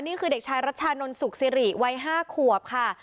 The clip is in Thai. นี่คือเด็กชายรัชชานนท์สุขสิริวัย๕ขวบค่ะ